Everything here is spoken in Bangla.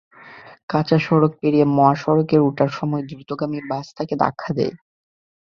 কাঁচা সড়ক পেড়িয়ে মহাসড়কে ওঠার সময় দ্রুতগামী বাস তাঁকে ধাক্কা দেয়।